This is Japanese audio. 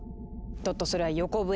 トットそれは横笛。